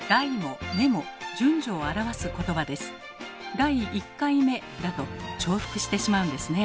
「第一回目」だと重複してしまうんですね。